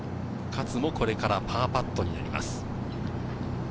勝もこれからパーパットになります。